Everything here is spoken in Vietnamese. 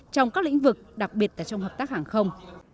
trong các lĩnh vực đặc biệt là trong hợp tác hàng không